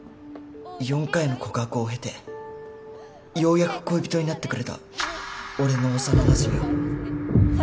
４回の告白を経てようやく恋人になってくれた俺の幼なじみは